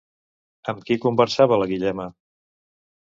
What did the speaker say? Amb qui conversava la Guillema?